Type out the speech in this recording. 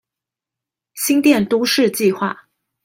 新店都市計畫